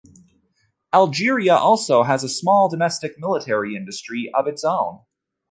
Algeria also has a small domestic military industry of its own.